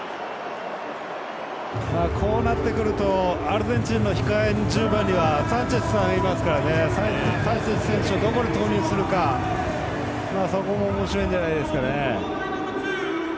こうなってくるとアルゼンチンの控えの１０番にはサンチェスさんいますからサンチェス選手をどこに投入するか、そこもおもしろいんじゃないですかね。